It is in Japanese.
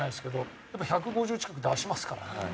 やっぱ１５０近く出しますからね。